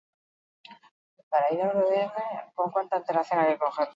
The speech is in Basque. Tenperatura minimoak igo egingo dira, gutxi bada ere, bereziki isuri atlantikoan.